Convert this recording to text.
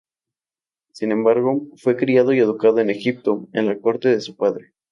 Sin embargo, fue criado y educado en Egipto, en la corte de su padre.